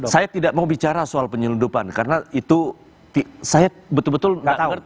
saya tidak mau bicara soal penyelundupan karena itu saya betul betul nggak tahu